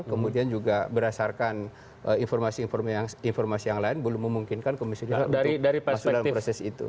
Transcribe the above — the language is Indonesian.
kemudian juga berdasarkan informasi informasi yang lain belum memungkinkan komisioner untuk masuk dalam proses itu